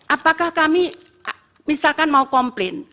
apakah kami misalkan mau komplain